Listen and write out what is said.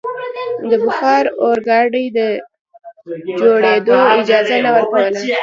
د بخار اورګاډي د جوړېدو اجازه نه ورکوله.